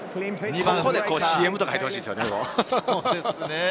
ここでＣＭとか入ってほしいですね。